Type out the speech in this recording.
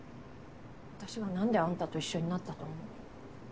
私がなんであんたと一緒になったと思う？